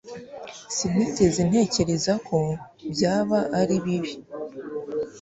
sinigeze ntekereza ko byaba ari bibi